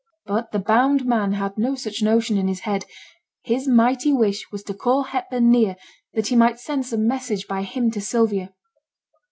But the bound man had no such notion in his head. His mighty wish was to call Hepburn near that he might send some message by him to Sylvia.